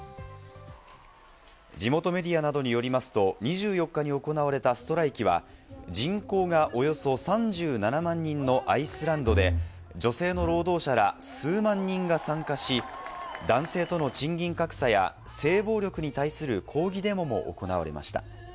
地元メディアなどによりますと、２４日に行われたストライキは、人口がおよそ３７万人のアイスランドで女性の労働者ら数万人が参加し、男性との賃金格差や性暴力に対する抗議デモも行われました。